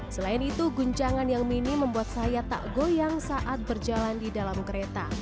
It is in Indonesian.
selain itu guncangan yang minim membuat saya tak goyang saat berjalan di dalam kereta